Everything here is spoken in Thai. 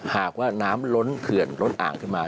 หากว่าน้ำล้นเขื่อนล้นอ่างขึ้นมา